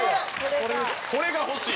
これが欲しい。